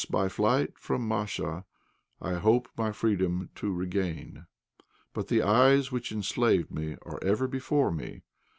by flight from Masha, I hope my freedom to regain! "But the eyes which enslaved me are ever before me.